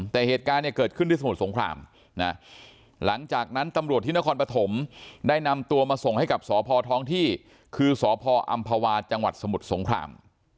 แต่เหตุการณ์เนี่ยเกิดขึ้นที่สมุทรสงครามนะหลังจากนั้นตำรวจที่นครปฐมได้นำตัวมาส่งให้กับสพท้องที่คือสพอำภาวาจังหวัดสมุทรสงคราม